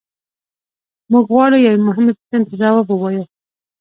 موږ غواړو یوې مهمې پوښتنې ته ځواب ووایو.